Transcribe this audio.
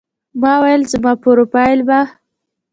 ما وې زما پروفائيل به